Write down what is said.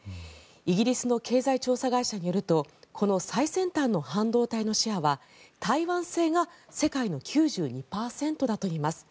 イギリスの経済調査会社によるとこの最先端の半導体のシェアは台湾製が世界の９２％だといいます。